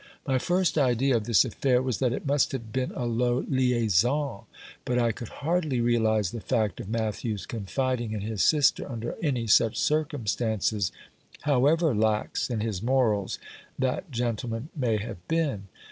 My first idea of this affair was that it must have been a low liaison; but I could hardly realize the fact of Matthew's confiding in his sister under any such circumstances, however lax in his morals that gentleman may have been.